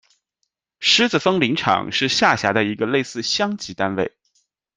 狮子峰林场是下辖的一个类似乡级单位。